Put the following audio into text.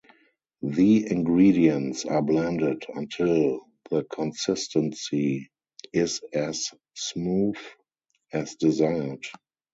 The ingredients are blended until the consistency is as smooth as desired.